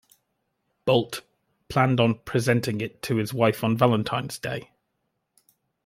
Boldt planned on presenting it to his wife on Valentine's Day.